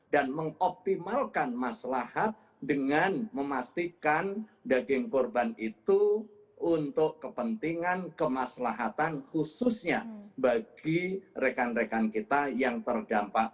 dan mengoptimalkan maslahat dengan memastikan daging korban itu untuk kepentingan kemaslahatan khususnya bagi rekan rekan kita yang terdampak